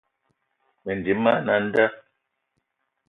Mendim man a nda.